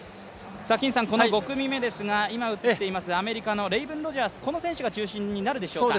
この５組目ですがアメリカのレイブン・ロジャース、この選手が中心になるでしょうか。